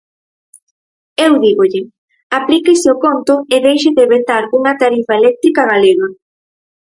Eu dígolle: aplíquese o conto e deixe de vetar unha tarifa eléctrica galega.